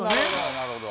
なるほど。